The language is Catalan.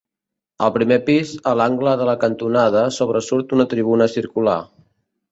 Al primer pis, a l'angle de la cantonada, sobresurt una tribuna circular.